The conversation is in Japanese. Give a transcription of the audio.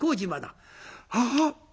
「ああ！